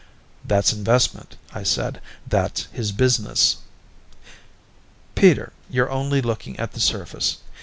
"That's investment," I said. "That's his business." "Peter, you're only looking at the surface.